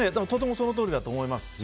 とてもそのとおりだと思います。